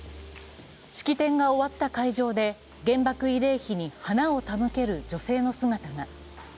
式典が終わった会場で原爆慰霊碑に花を手向ける女性の姿が。